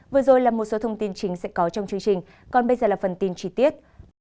vừa rồi là một số thông tin chính sẽ có trong chương trình còn bây giờ là phần tin chi tiết